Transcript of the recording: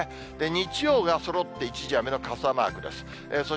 日曜がそろって一時雨の傘マークです。